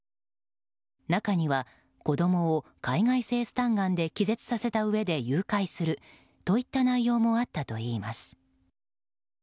中には子供を海外製スタンガンで気絶させたうえで誘拐するといった内容もあったといいます。